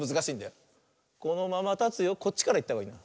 こっちからいったほうがいい。